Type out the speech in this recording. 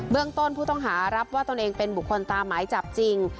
เรื่องต้นผู้ต้องหารับว่าตนเองเป็นบุคคลตามหมายจับจริง